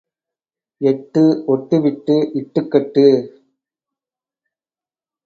எட்டு ஒட்டு விட்டு இட்டுக் கட்டு